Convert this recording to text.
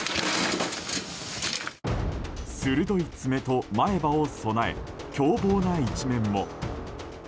鋭い爪と前歯を備え凶暴な一面も。